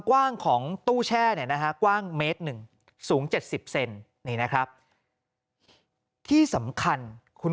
กว้างของตู้แช่กว้างเมตร๑สูง๗๐เซนนี้นะครับที่สำคัญคุณ